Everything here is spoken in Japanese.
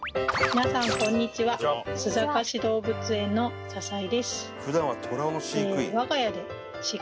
皆さんこんにちは須坂市動物園の笹井です